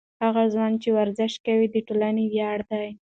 هغه ځوان چې ورزش کوي، د ټولنې ویاړ دی.